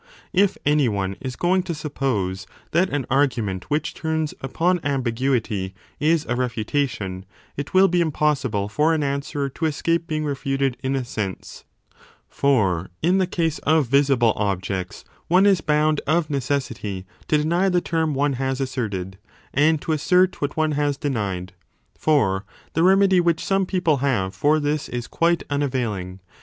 If any one is going to suppose that an argument which 15 turns upon ambiguity is a refutation, it will be impossible for an answerer to escape being refuted in a sense : for in the case of visible objects one is bound of necessity to deny the term one has asserted, and to assert what one has denied. For the remedy which some people have for this is quite unavailing.